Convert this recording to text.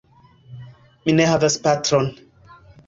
Mi ne havas patron.